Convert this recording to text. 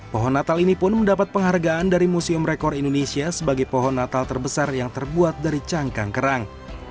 pohon natal ini pun mendapat penghargaan dari museum rekor indonesia sebagai pohon natal terbesar yang terbuat dari cangkang kerang